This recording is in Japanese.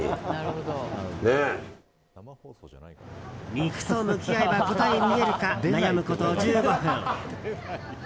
肉と向き合えば答え見えるか悩むこと１５分。